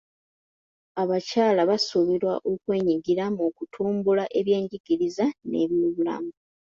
Abakyala basuubirwa okwenyigira mu kutumbula ebyenjigiriza n'ebyobulamu.